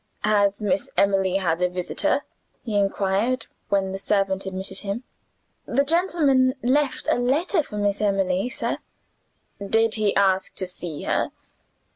"Has Miss Emily had a visitor?" he inquired, when the servant admitted him. "The gentleman left a letter for Miss Emily, sir." "Did he ask to see her?"